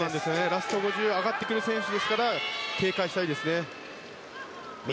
ラスト５０上がってくる選手ですから警戒したいですね。